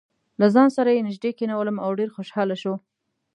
له ځان سره یې نژدې کېنولم او ډېر خوشاله شو.